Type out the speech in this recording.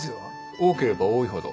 多ければ多いほど。